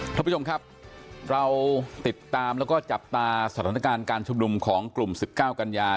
ท่านผู้ชมครับเราติดตามแล้วก็จับตาสถานการณ์การชุมนุมของกลุ่ม๑๙กันยา